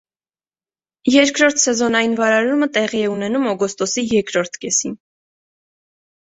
Երկրորդ սեզոնային վարարումը տեղի է ունենում օգոստոսի երկրորդ կեսին։